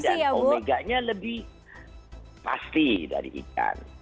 dan omega nya lebih pasti dari ikan